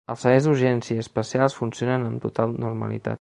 Els serveis d’urgència i especials funcionen amb total normalitat.